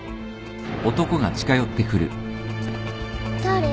誰？